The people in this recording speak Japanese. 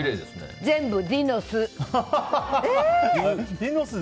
全部ディノス！